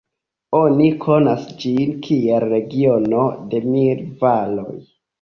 Oni konas ĝin kiel regiono de mil valoj.